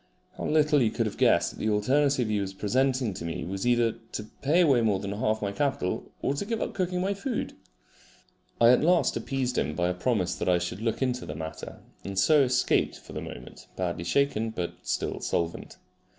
How little he could have guessed that the alternative he was presenting to me was either to pay away more than half my capital, or to give up cooking my food! I at last appeased him by a promise that I should look into the matter, and so escaped for the moment, badly shaken but still solvent.